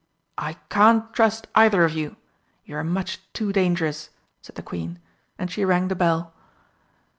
"I can't trust either of you you are much too dangerous," said the Queen, and she rang the bell.